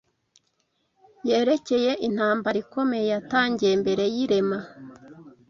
yerekeye intambara ikomeye yatangiye mbere y’irema